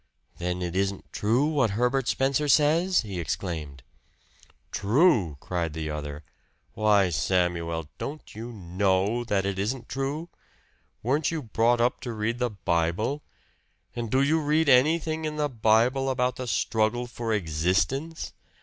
"Then it isn't true what Herbert Spencer says!" he exclaimed. "True!" cried the other. "Why, Samuel, don't you KNOW that it isn't true? Weren't you brought up to read the Bible? And do you read anything in the Bible about the struggle for existence?